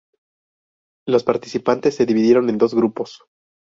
Las participantes se dividieron en dos grupos.